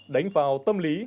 đánh vào tâm lý